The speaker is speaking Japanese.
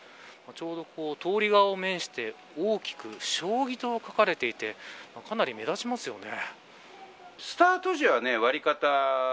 ちょうど通り側に面して大きく将棋と書かれていてかなり目立ちますよね。